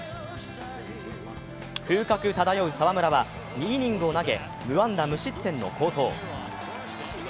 風格漂う澤村は２イニングを投げ無安打無失点の好投。